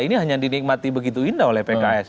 ini hanya dinikmati begitu indah oleh pks